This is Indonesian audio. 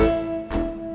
kamu mau ke rumah